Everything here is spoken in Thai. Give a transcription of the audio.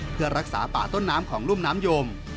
เพื่อรักษาป่าต้นน้ำของรุ่มน้ำยม